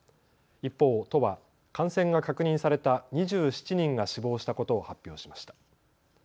一方、都は感染が確認された２７人が死亡したことを発表しました。